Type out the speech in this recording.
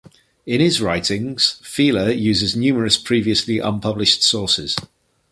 In his writings Thiele uses numerous previously unpublished sources.